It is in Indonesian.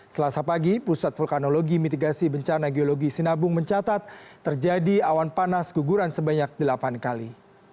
selasa pagi pusat vulkanologi mitigasi bencana geologi sinabung mencatat terjadi awan panas guguran sebanyak delapan kali